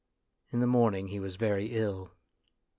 In the morning he was very ill.